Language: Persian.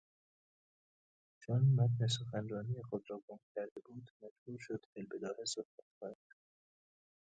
چون متن سخنرانی خود را گم کرده بود مجبور شد فیالبداهه صحبت کند.